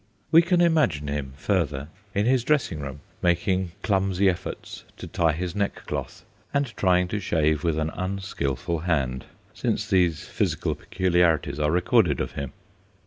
We can imagine him, further, in 88 THE GHOSTS OF PICCADILLY his dressing room, making clumsy efforts to tie his neckcloth, and trying to shave with an unskilful hand, since these physical peculiarities are recorded of him.